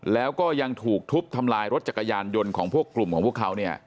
แล้วก็ยังถูกทุบทำลายรถจักรยานยนต์ของพวกกลุ่มของพวกเขา